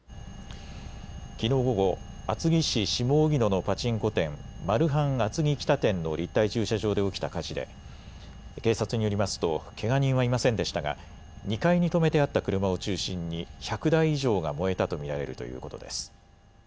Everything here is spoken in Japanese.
きのう午後、厚木市下荻野のパチンコ店、マルハン厚木北店の立体駐車場で起きた火事で警察によりますとけが人はいませんでしたが２階に止めてあった車を中心に１００台以上が燃えたと見られるということです。